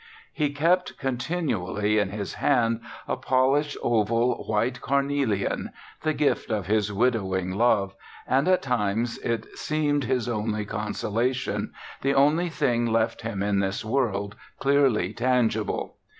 He kept continually in his hand a polished, oval, white carnelian, the gift of his widowing love, and at times it seemed his only consolation, the only thing left him in this world clearly tangible.